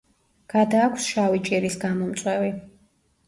გადააქვს შავი ჭირის გამომწვევი.